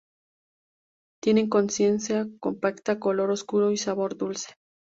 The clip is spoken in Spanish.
Tienen consistencia compacta, color oscuro y sabor dulce.